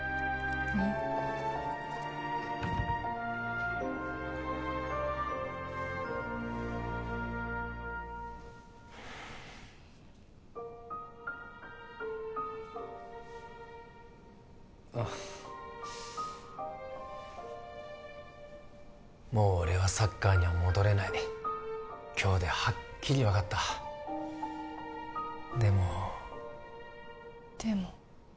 ２個あっもう俺はサッカーには戻れない今日ではっきり分かったでもでも？